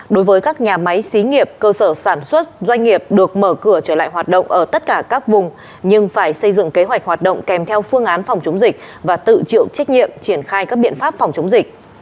đối với các nhà máy xí nghiệp cơ sở sản xuất doanh nghiệp được mở cửa trở lại hoạt động ở tất cả các vùng nhưng phải xây dựng kế hoạch hoạt động kèm theo phương án phòng chống dịch và tự chịu trách nhiệm triển khai các biện pháp phòng chống dịch